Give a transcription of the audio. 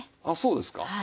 あっそうですか？